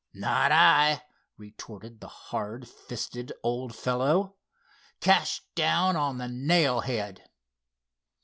"Not I," retorted the hard fisted old fellow. "Cash down on the nail head."